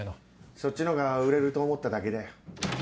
そっちのほうが売れると思っただけだよ。